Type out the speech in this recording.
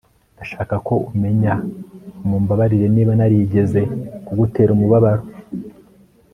ndashaka ko umenya mumbabarire niba narigeze kugutera umubabaro